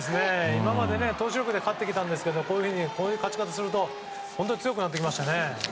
今まで投手力で勝ってきたんですけどこういう勝ち方すると本当に強くなってきましたね。